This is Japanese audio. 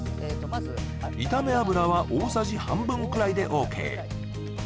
炒め油は大さじ半分くらいでＯＫ